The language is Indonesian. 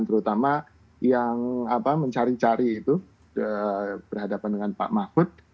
terutama yang mencari cari itu berhadapan dengan pak mahfud